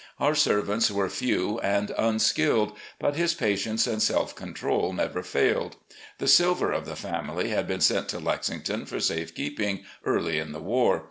Our servants were few and unskilled, but his patience and self control never failed. The silver of the family had been sent to Lexington for safe keeping early in the war.